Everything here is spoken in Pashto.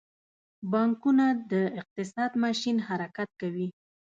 پانګونه د اقتصاد ماشین حرکت کوي.